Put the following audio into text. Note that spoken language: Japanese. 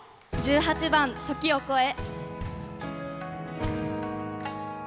１８番「時をこえ」。